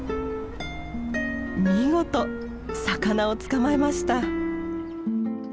見事魚を捕まえました。